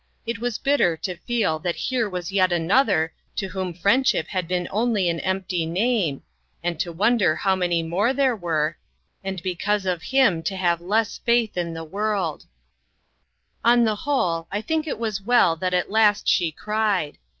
It was bitter to feel that here was yet another to whom friend ship had been only an empty name, and to wonder how many more there were, and because of him to have less faith in the world. LOST FRIENDS. 253 On the whole, I think it was well that at last she cried.